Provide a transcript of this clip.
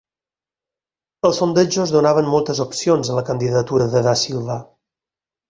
Els sondejos donaven moltes opcions a la candidatura de Da Silva